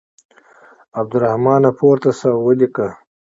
عبدالرحمانه پورته شه او ولیکه.